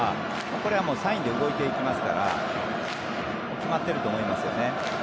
これはサインで動いていきますから決まっていると思いますよね。